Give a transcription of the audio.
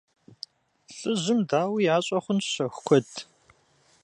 Лӏыжьым, дауи, ящӀэ хъунщ щэху куэд!